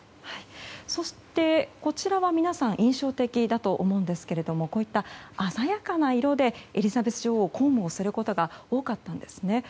そしてこちらは皆さん印象的だと思うんですけどこういった鮮やかな色でエリザベス女王は公務をすることが多かったんですね。